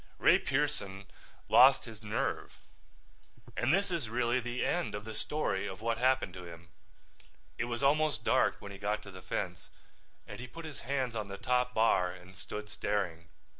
Ray Pearson lost his nerve and this is really the end of the story of what happened to him. It was almost dark when he got to the fence and he put his hands on the top bar and stood staring.